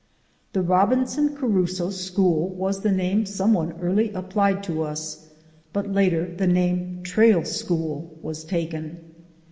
The Robinson Crusoe School was the name some one early applied to us, but later the name Trail School was taken.